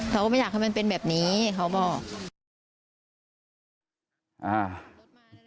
เขาก็ไม่อยากให้มันเป็นแบบนี้เขาบอก